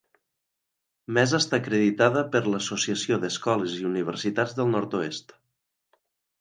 Mesa està acreditada per l'Associació d'Escoles i Universitats del Nord-oest.